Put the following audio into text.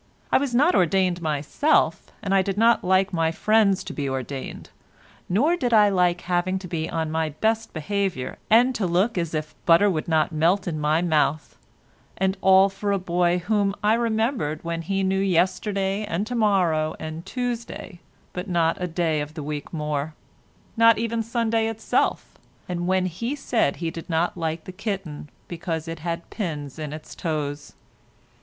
I was not ordained myself and I did not like my friends to be ordained, nor did I like having to be on my best behaviour and to look as if butter would not melt in my mouth, and all for a boy whom I remembered when he knew yesterday and to morrow and Tuesday, but not a day of the week more—not even Sunday itself—and when he said he did not like the kitten because it had pins in its toes.